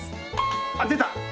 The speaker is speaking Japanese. あっ出た！